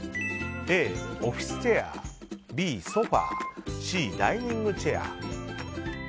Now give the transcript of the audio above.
Ａ、オフィスチェアＢ、ソファＣ、ダイニングチェア。